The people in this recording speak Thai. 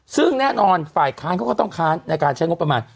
ซึ่งแน่นอนฝ่ายค้านเขาก็ต้องค้านในการใช้งบประมาณ